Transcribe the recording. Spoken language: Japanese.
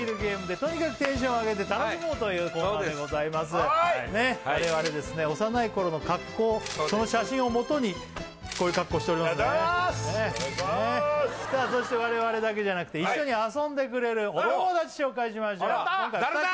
そうですねっ我々ですね幼い頃の格好その写真をもとにこういう格好をしておりますねお願いしますさあそして我々だけじゃなくて一緒に遊んでくれるお友達紹介しましょう誰だ！？